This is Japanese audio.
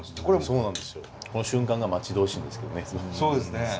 この瞬間が待ち遠しいんですけどね。